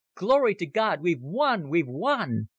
Glory to God, we've won, we've won!"